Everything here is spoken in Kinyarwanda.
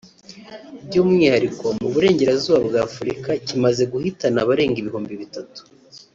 by’umwihariko mu Burengerazuba bwa Afurika kimaze guhitana abarenga ibihumbi bitatu